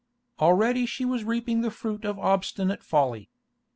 Already she was reaping the fruit of obstinate folly.